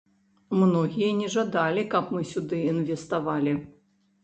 Многія не жадалі, каб мы сюды інвеставалі.